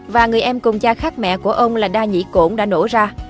và người em cùng cha khác mẹ của ông là đa nhĩ cổn đã nổ ra